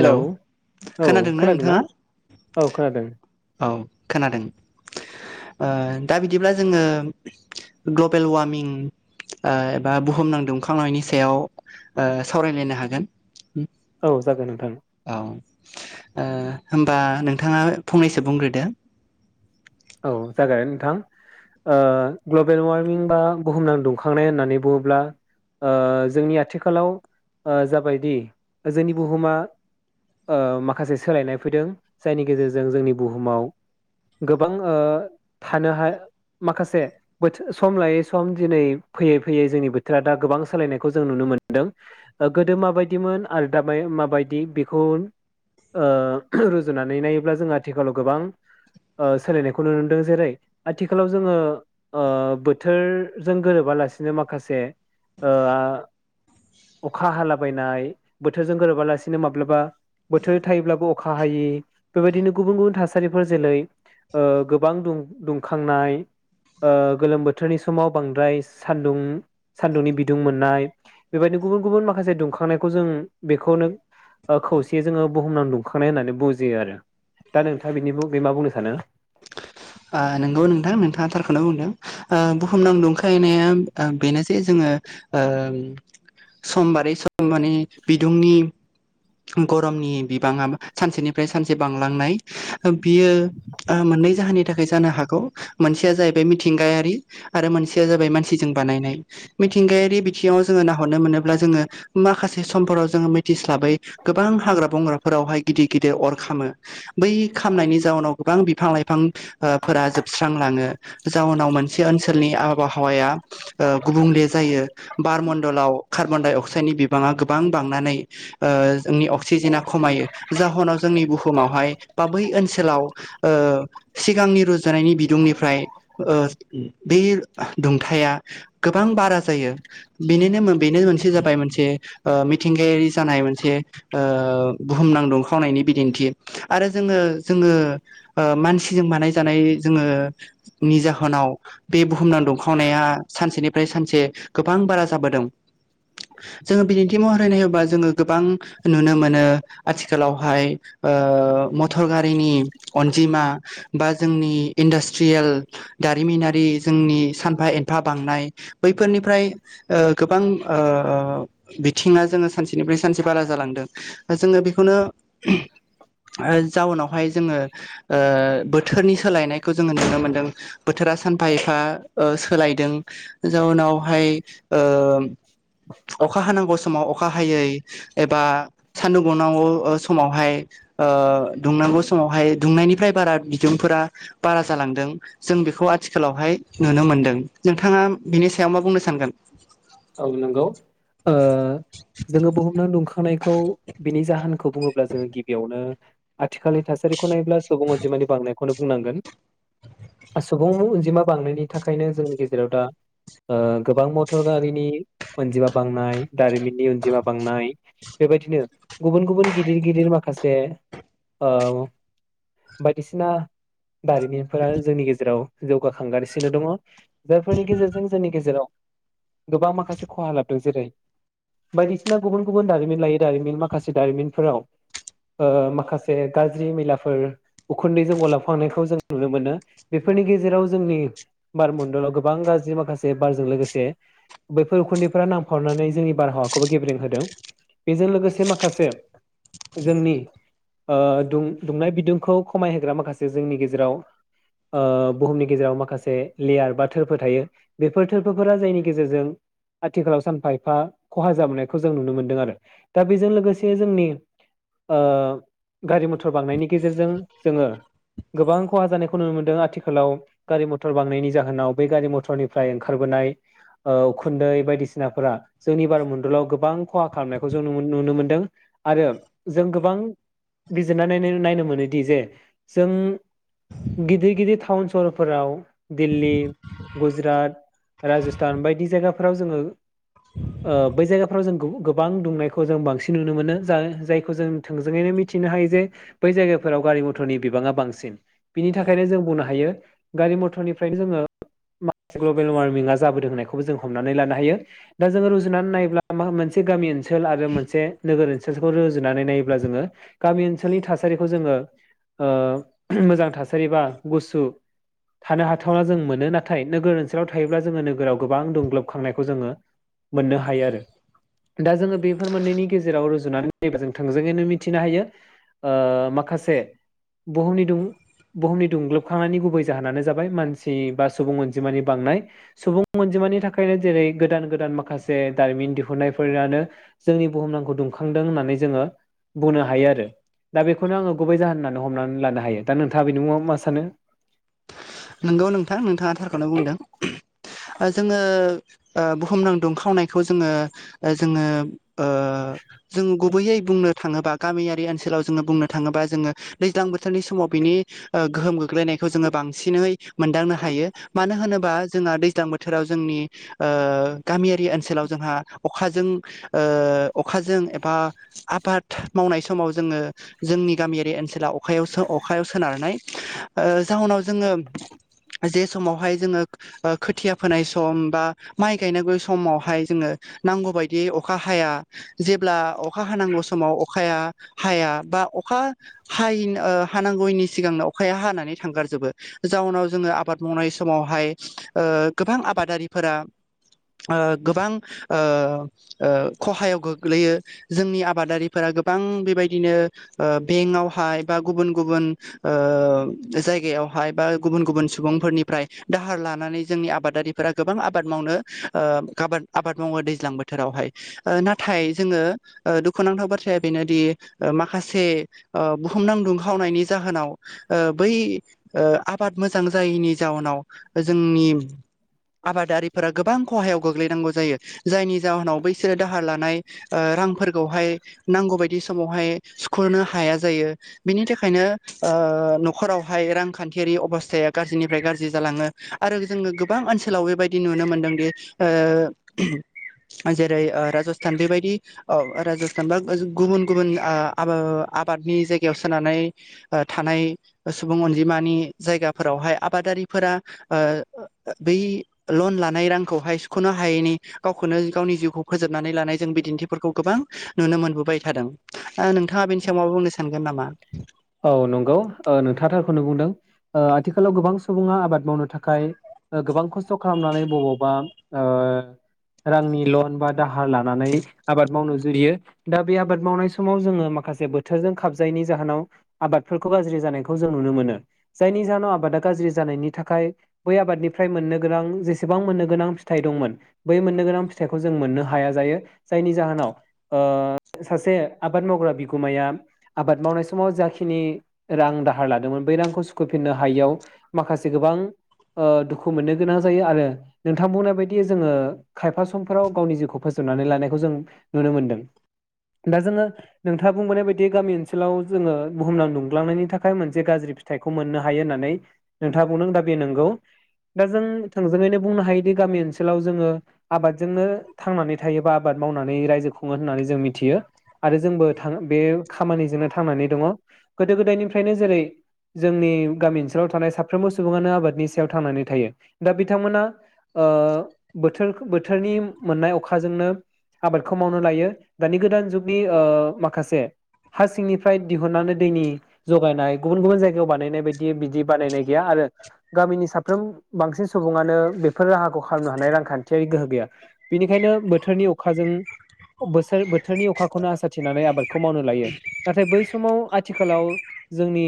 Hello औ खोनादोंना औ खोनादों। औ खोनादों ओ दा बिदिब्ला जोङो ग्लबेल वार्मिं एबा बुहुमनां दुखांनायनि सायाव सावरायलायनो हागोन। औ जागोन नोंथां। औ ओ होमबा नोंथाङा। फंनैसो बुंग्रोदो। औ जागोन नोंथां ओ ग्लबेल वारमिं बा बुहुमनां दुंखांनाय होननानै बुङोब्ला जोंनि आथिखालाव जाबायदि जोंनि बुहुमा ओ माखासे सोलायनाय फैदों जायनि गेजेरजों जोंनि बुहुमाव गोब गोबां थानो माखासे सम लायै सम दिनै फैयै फैयै जोंनि बोथोरा दा गोबां सोलायनायखौ जों नुनो मोनदों गोदो माबायदिमोन आरो दा माबायदि बेखौ ओ रुजुनानै नायोब्ला जों आथिखालाव गोबां ओ सोलायनायखौ नुनो मोनदों जेरै आथिखालाव जोङो ओ बोथोरजों गोरोबालासिनो माखासे अखा हालाबायनाय बोथोरजों गोरोबालासिनो माब्लाबा बोथोर थायोब्लाबो अखा हायि बेबायदिनो गुबुन गुबुन थासारिफोर जेलै ओ गोबां दुं-दुंखांनाय ओ गोलोम बोथोरनि समाव बांद्राय सानदुं सानदुंनि बिदुं मोननाय बेबायदिनो गुबुन गुबुन माखासे दुंखांनायखौ जों बेखौनो खौसेयै जोङो बुहुमनाव दुंखांनाय होननानै बुजियो। आरो दा नोंथाङा बिनि बागै मा बुंनो सा सानो? ओ नोंगौ नोंथां नोंथाङा थारखौनो बुंदों ओ बुहुमनां दुंखांनाया बेनो जे जोङो ओ सम बारै सम माने बिदुंनि गरमनि बिबाङा सानसेनिफ्राय सानसे बांलांनाय। बियो मोननै जाहोननि नि थाखाय जानो हागौ मोनसेया जाहैबाय मिथिंगायारि आरो मोनसेया जाबाय मानसिजों बानायनाय मिथिंगायारि बिथिङाव जोङो नाहरनो मोनोब्ला जोङो माखासे समफोराव जोङो मिथिस्लाबै गोबां हाग्रा बंग्राफोरावहाय गिदिर गिदिर अर खामो बै खामनायनि जाउनाव गोबां बिफां लाइफां फोरा जोबस्रांलाङो। जाउनाव मान से ओनसोलनि आबहावाया गुबुंले जायो बारमणडलाव कार्बनडाय अक्स साड बिबाङा गोबां बांनानै ओ जोंनि अक्सिजेना खमायो जाहोनाव जोंनि बुहुमावहाय बा बै ओनसोलाव सिगांनि रुजु जानायनि बिदुंनिफ्राय ओ बे दुंथाया गोबां बारा जायो बेनिनो बेनो मोनसे जाबाय मोनसे ओ मिथिंगायारि जानाय मोनसे ओ बुहुमनां दुंखावनायनि बिदिन्थि आरो जोङो जोङो ओ मानसि जों बानाय जानाय जोङोनि जाहोनाव बे बुहुमनाव दुंखावनाया सानसेनिफ्राय सानसे गोबां बारा जाबोदों जोङो बिदिन्थि महरै नायोबा जोङो गोबां नुनो मोनो आथिखालावहाय मटर गारिनि अनजिमा। बा जोंनि इन्डास्ट्रियेल दारिमिनारि जोंनि सानफा एनफा बांनाय बैफोरनिफ्राय ओ गोबां बिथिङा जोङो सानसेनिफ्राय सानसे बारा जालांदों जोङो बेखौनो जाउनावहाय जोङो ओ बो बोथोरनि सोलायनायखौ जोङो नुनो मोनदों बोथोरा सानफा एफा सोलायदों जाउनावहाय ओ अखा हानांगौ समाव अखा हायै एबा सानदुं दुंनांगौ समावहाय दुंनांगौ समावहाय दुंनायनिफ्राय बारा सुबुंफोरा बारा जालांदों जों बेखौ आथिखालावहाय नुनो मोनदों नोंथाङा बिनि सायाव मा बुंनो सानगोन? औ नंगौ खौ बिनि जाहोनखौ बुङोब्ला जोङो गिबियावनो आथिखालनि थासारिखौ नायोब्ला सुबुंङा अनजिमानि बांनायखौ बुंनांगोन सुबुं अनजिमा बांनायनि थाखायनो जोंनि गेजेराव दा गोबां मटर गारि अनजिमा बांनाय दारिमिननि अनजिमा बांनाय बेबायदिनो गुबुन गुबुन गिदिर गिदिर माखासे ओ बायदिसिना दारिमिनफोरा जोंनि गेजेराव जौगाखांगासिनो दङ। जायफोरनि गेजेरजों जोंनि गेजेराव गोबां माखासे खहा लाबोदों जेरै बायदिसिना गुबुन गुबुन दारिमिन लायै दारिमिन माखासे दारिमिनफोराव माखासे गाज्रि मैलाफोर उखुन्दैजों गलाबखांनायखौ जों नुनो मोनो बेफोरनि गेजेराव जोंनि बारमणडलाव गोबां गाज्रि माखासे बारजों लोगोसे बैफोर उखुन्दैफोरा नांफनानै जोंनि बारहावाखौबो गेबेरें होदों बेजों लोगोसे माखासे जोंनि दुं दुंनाय बिदुंखौ खमायहोग्रा माखासे जोंनि गेजेराव बुहुमनि गेजेराव माखासे लेयार बा थोरफो थायो बेफोर थोरफोरा जायनि गेजेरजों आथिखालाव सानफा एफा खहा जाबोनायखौ जों नुनो मोनदों आरो दा बेजों लोगोसे जोंनि गारि मथर बांनायनि गेजेरजों जोङो गोबां खहा जानायखौ नुनो मोनदों आथिखालाव गारि मथर बांनायनि जाहोनाव बे गारि मथरनिफ्राय ओंखारबोनाय ओ खुन्दै बायदिसिनाफोरा जोंनि बारमण्डलाव गोबां खहा खालामनायखौ जों नुनो मोनदों आरो जों गोबां बिजिरनानै नायनो नायनो मोनोदि जे जों गिदिर गिदिर टाउन सहरफोराव दिल्ली, गुजरात, राजस्थान बायदि जायगाफोर फोराव जोङो बै जायगाफ्राव जों गोबां दुंनायखौ जों बांसिन नुनो मोनो जा जायखौ जों थोंजोङैनो मिथिनो हायो जे बै जायगाफोराव गारि मथरनि बिबाङा बांसिन बिनि थाखायनो जों बुंनो हायो गारि मथरनिफ्रायनो जोङो माखासे ग्लबेल वार्मि जाबोदों होननाखौबो जों हमनानै लानो हायो दा जों रुजुनानै नायोब्ला मोनसे गामि ओनसोल आरो मोनसे नोगोर ओसोल। खौ रुजुनानै नायोब्ला जोङो गामि ओनसोलनि थासारिखौ जोङो मोजां थासारि बा गुसु थानो हाथावना जों मोनो नाथाय नोगोर ओनसोलाव थायोब्ला जोङो नोगोराव गोबां दुं खांनायखौ जोङो मोननो हायो आरो दा जोङो बेफोर मोननैनि गेजेराव रुजुनानै नायबा जों थोंजोङैनो मिथिनो हायो माखासे बुहुम बुहुमनि दुंग्लोबखांनायनि गुबै जाहोनानो जाबाय मानसि बा सुबुं अनजिमानि बांनाय सुबुं अनजिमानि थाखाय बेखायनो जेरै गोदान गोदान माखासे दारिमिन दिहुननायफोरानो जोंनि बुहुमनांखौ दुंखांदों होननानै जोङो बुंनो हायो आरो दा बेखौनो आङो गुबै जाहोन होननानै हमनानै लानो हायो दा नोंथाङा बेनि मुङाव मा सानो। नोंगौ नोंथां नोंथाङा थारखौनो बुंदों ओ जोङो ओ बुहुमनां दुंखावनायखौ जोङो ओ जोङो ओ जों गुबैयै बुंनो थाङोबा गामियारि ओनसोलाव जोङो बुंनो थाङोबा जोङो दैज्लां बोथोरनि समाव बिनि ओ गोहोम गोग्लैनायखौ जोङो बां सिनै मोनदांनो हायो मानो होनोबा जोंहा दैज्लां बोथोराव जोंनि ओ गामियारि ओनसोलाव जोंहा अखाजों ओ अखाजों एबा आबाद मावनाय समाव जोङो जोंनि गामियारि ओनसोलाव अखायावसो अखायाव सोनारनाय ओ जाउनाव जोङो जे समावहाय जोङो ओ खोथिया फोनाय सम बा माइ गायनांगै समावहाय जोङो नांगौ बायदियै अखा हाया जेब्ला अखा हानांगौ समाव अखाया हाया बा अखा हायै हानांगौनि सिगांनो अखाया हानानै थांगार जोबो जाउनाव जोङो आबाद मावनाय समावहाय ओ गोबां आबादारिफोरा ओ गोबां ओ ओ खहायाव गोग्लैयो जोंनि आबादारिफोरा गोबां बेबायदिनो ओ बेंकआवहाय बा गुबुन गुबुन ओ जायगायाव हाय बा गुबुन गुबुन सुबुंफोरनिफ्राय दाहार लानानै जोंनि आबादारिफोरा गोबां आबाद मावनो आबाद ओ मावो दैज्लां बोथोरावहाय ओ नाथाय जोङो ओ दुखुनांथाव बाथ्राया बेनोदि माखासे ओ बुहुमनां दुंखावनायनि जाहोनाव ओ बै ओ आबाद मोजां जायैनि जाउनाव जोंनि आबादारिफोरा गोबां खहायाव गोग्लैनांगौ जायो जायनि जाहोनाव बैसोरो दाहार लानाय ओ रांफोरखौहाय नांगौ बायदि समावहाय सुखनो हाया जायो बिनि थाखायनो ओ नखरावहाय रां खान्थियारि अबस्थाया गाज्रिनिफ्राय गाज्रि जालाङो आरो जोङो गोबां ओनसोलाव बेबायदि नुनो मोनदोंदि ओ जेरै ओ राजस्थान बेबायदि अ राजस्थान बा ओ आ बा गुबुन गुबुन आ आब आबादनि जायगायाव सोनानै ओ थानाय सुबुं अन बिमानि जायगाफोरावहाय आबादारिफोरा ओ बै लन लानाय रांखौहाय सुखनो हायैनि गावखौनो गावनि जिउखौ फोजोबनानै लानाय जों बिदिन्थिफोरखौ गोबां नुनो मोनबोबाय थादों ओ नोंथाङा बेनि सायाव मा बुंनो सा सानगोन नामा औ नंगौ ओ नोंथाङा थारखौनो बुंदों ओ आथिखालाव गोबां सुबुङा आबाद मावनो थाखाय ओ गोबां खस्थ खालामनानै बबावबा ओ रांनि लन बा दाहार लानानै आबाद मावनो जुरियो दा बे आबाद मावनाय समाव जोङो माखासे बोथोरजों खाबजायैनि जाहोनाव आबादफोरखौ गाज्रि जानायखौ जों नुनो मोनो जायनि जाहोनाव आबादा गाज्रि जानायनि थाखाय बै आबादनिफ्राय मोननो गोनां जेसेबां मोननो गोनां फिथाइ दंमोन बै मोननो गोनां फिथाइखौ जों मोननो हाया जायो जायनि जाहोनाव ओ सासे आबाद मावग्रा बिगुमाया आबाद मावनाय समाव जा नि रां दाहार लादोंमोन बै रांखौ सुखफिननो हायैयाव माखासे गोबां ओ दुखु मोननो गोनां जायो आरो नोंथाङा बुंनाय बायदि जोङो खायफा समफोराव गावनि जिउखौ फोजोबनानै लानायखौ जों नुनो मोनदों दा जोङो नोंथाङा बुंबोनाय बायदि गामि ओनसोलाव जोङो बुहुमनां दुंग्लांनायनि थाखाय मोनसे गाज्रि फिथाइखौ मोननो हायो होननानै नोंथाङा बुंदों दा बे नंगौ दा जों थोंजोङैनो बुंनो हायोदि गामि ओनसोलाव जोङो आबादजोंनो थांनानै थायोबा आबाद मावनानै रायजो खुङो होननानै जों मिथियो आरो जोंबो थां बे खामानिजोंनो थांनानै दङ। गोदो गोदायनिफ्रायनो जेरै जोंनि गामि ओनसोलाव थानाय साफ्रोमबो सुबुङानो आबादनि सायाव थांनानै थायो दा बिथांमोना ओ बोथोर बोथोरनि मोननाय अखाजोंनो आबादखौ मावनो लायो दानि गोदान जुगनि ओ माखासे हा सिंनिफ्राय दिहुननानै दैनि जगायनाय गुबुन गुबुन जायगायाव बानायनाय बायदि बिदि बानायनाय गैया आरो गामिनि साफ्रोम बांसिन सुबुङानो बेफोर राहाखौ खालामनो हानाय रांखान्थियारि गोहो गैया बेनिखायनो बोथोरनि अखाजों बोथोर बोथोरनि अखाखौनो आसा थिनानै आबादखौ मावनो लायो नाथाय बै समाव आथिखालाव जोंनि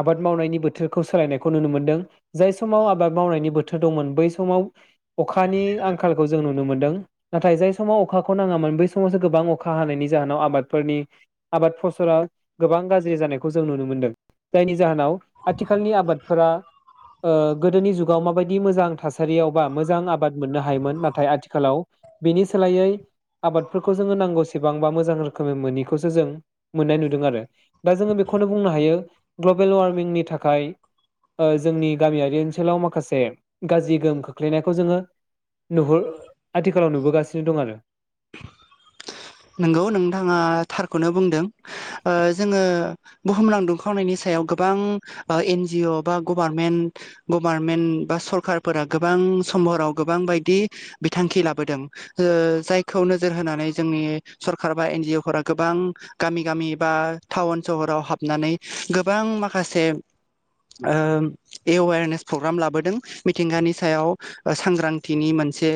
आबाद मावनायनि बोथोरखौ सोलायनायखौ नुनो मोनदों जाय समाव आबाद मावनायनि बोथोर दंमोन बै समाव अखानि आंखालखौ जों नुनो मोनदों नाथाय जाय समाव अखाखौ नाङामोन बै समावसो गोबां अखा हानायनि जाहोनाव आबादफोरनि आबाद फसला गोबां गाज्रि जानायखौ जों नुनो मोनदों जायनि जाहोनाव आथिखालनि आबादफोरा ओ गोदोनि जुगाव माबायदि मोजां थासारियाव बा मोजां आबाद मोननो हायोमोन नाथाय आथिखालाव बिनि सोलायै आबादफोरखौ जोङो नांगौसेबां बा मोजां रोखोमै मोनोैखौसो जों मोननाय नुदों आरो दा जोङो बेखौनो बुंनो हायो ग्लबेल वार्मिंनि थाखाय ओ जोंनि गामियारि ओनसोलाव माखासे गाज्रि गोहोम खोख्लैनायखौ जोङो नुहुर आथिखालाव नुबोगासिनो दं आरो। नोंगौ नोंथाङा थारखौनो बुंदों ओ जोङो बुहुमनां दुंखावनायनि सायाव गोबां एन जि अ बा गभारमेन्ट गभारमेन्ट बा सरखारफोरा गोबां समहराव गोबां बायदि बिथांखि लाबोदों ओ जायखौ नोजोर होनानै जोंनि सरखार बा एन जिअ फोर गोबां गामि गामि बा टाउन सहराव हाबनानै गोबां माखासे ओ एवेरनेस प्रग्राम लाबोदों मिथिंगानि सायाव सांग्रांथिनि मोनसे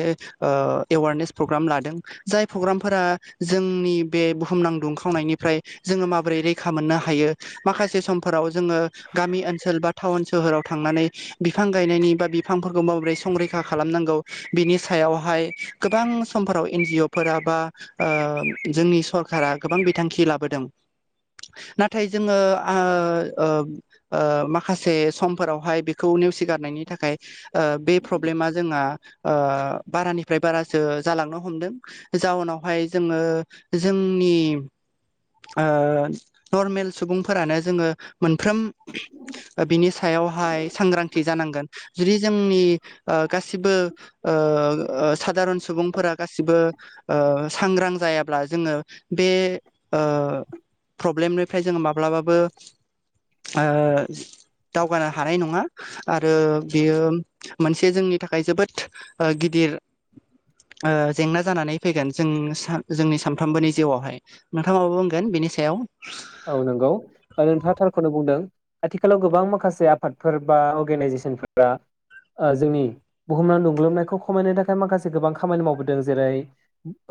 ओ एवारनेस प्रग्राम लादों जाय प्रग्रामफोरा जोंनि बे बुहुमनां दुंखावनायनिफ्राय जोङो माबोरै रैखा मोननो हायो माखासे समफोराव जोङो गामि ओनसोल बा टाउन सोहोराव थांनानै बिफां गायनायनि बा बिफांफोरखौ माबोरै संरैखा खालामनांगौ बिनि सायावहाय गोबां समफोराव एन जि अ फोरा बा ओ जोंनि सरखारा गोबां बिथांखि लाबोदों नाथाय जोङो ओ आ ओ ओ माखासे समफोरावहाय बेखौ नेवसिगारनायनि थाखाय ओ बे प्रब्लेमा जोंहा ओ बारानिफ्राय बारासो जालांनो हमदों जाउनावहाय जोङो जोंनि ओ नर्मेल सुबुंफोरानो जोङो मोनफ्रोम ओ बिनि सायावहाय सांग्रांथि जानांगोन जुदि जोंनि ओ गासिबो ओ आ सादारन सुबुंफोरा गासिबो ओ सांग्रां जायाब्ला जोङो बे ओ प्रब्लेमनिफ्राय जोङो माब्लाबाबो ओ दावगानो हानाय नङा आरो बेयो मोनसे जोंनि थाखाय जोबोद ओ गिदिर ओ जेंना जानानै फैगोन। जों सा जोंनि सानफ्रामबोनि जिउआवहाय नोंथाङा माबा बुंगोन बेनि सायाव। औ नंगौ आरो नोंथाङा थारखौनो बुंदों आथिखालाव गोबां माखासे आफादफोर बा अर्गेनाइजेसन फोरा ओ जोंनि बुहुमाव दुंग्लोबनायखौ खमायनो थाखाय माखासे गोबां खामानि मावबोदों जेरै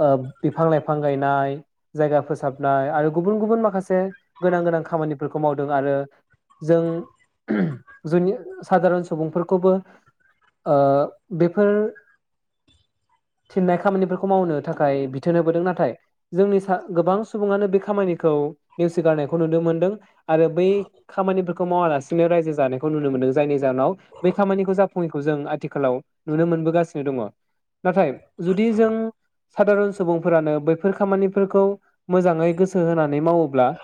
ओ बिफां लाइफां गायनाय जायगा फोसाबनाय आरो गुबुन गुबुन माखासे से गोनां गोनां खामानिफोरखौ मावदों आरो जों गोनि सादारन सुबुंफोरखौबो ओ बेफोर थिननाय खामानिफोरखौ मावनो थाखाय बिथोन होबोदों नाथाय जोंनि सा गोबां सुबुङानो बे खामानिखौ नेवसिगारनायखौ नुदों मोनदों आरो बै खामानिफोरखौ मावालासिनो रायजो जानायखौ नुनो मोनदों जायनि जाहोनाव बै खामानिखौ जाफुङैखौ जों आथिखालाव नुनो मोनबोगासिनो दङ नाथाय जुदि जों सादारन सुबुंफोरानो बैफोर खामानिफोरखौ मोजाङै गोसो होनानै मावोब्ला